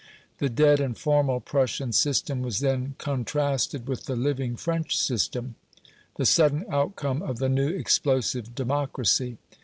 The "dead and formal" Prussian system was then contrasted with the "living" French system the sudden outcome of the new explosive democracy.